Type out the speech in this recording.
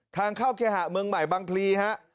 ทางเข้าเคหะเมืองใหม่บางพลีฮะ